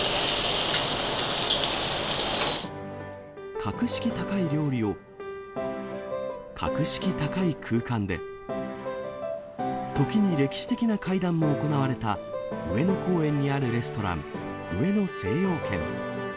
格式高い料理を、格式高い空間で、時に歴史的な会談も行われた、上野公園にあるレストラン、上野精養軒。